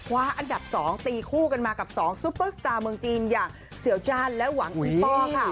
อันดับ๒ตีคู่กันมากับ๒ซุปเปอร์สตาร์เมืองจีนอย่างเสียวจ้านและหวังอีป้อค่ะ